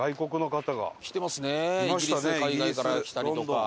イギリス海外から来たりとか。